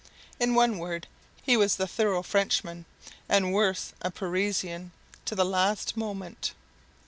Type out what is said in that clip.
In one word, he was the thorough "Frenchman" (and worse, a "Parisian") to the last moment.